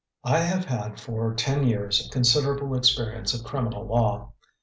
I have had for ten years a considerable experience of criminal law.